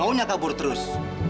maunya kabur terus